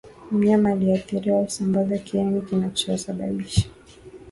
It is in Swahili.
Mnyama aliyeathiriwa husambaza kiini kinachousababisha